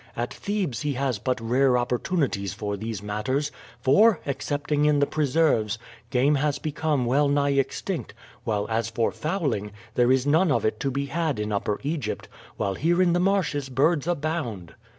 At Thebes he has but rare opportunities for these matters; for, excepting in the preserves, game has become well nigh extinct, while as for fowling, there is none of it to be had in Upper Egypt, while here in the marshes birds abound."